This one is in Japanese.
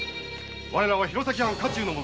我らは弘前藩家中の者。